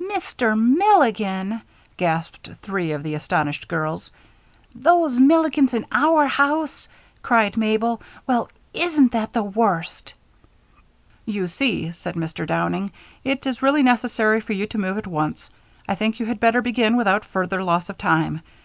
"Mr. Milligan!" gasped three of the astonished girls. "Those Milligans in our house!" cried Mabel. "Well, isn't that the worst!" "You see," said Mr. Downing, "it is really necessary for you to move at once. I think you had better begin without further loss of time.